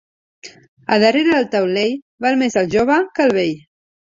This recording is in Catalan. A darrere del taulell, val més el jove que el vell.